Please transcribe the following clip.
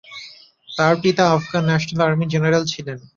তার পিতা আফগান ন্যাশনাল আর্মির জেনারেল ছিলেন।